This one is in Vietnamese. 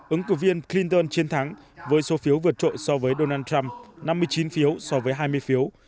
ứng cử viên clinton chiến thắng với số phiếu vượt trội so với donald trump năm mươi chín phiếu so với hai mươi phiếu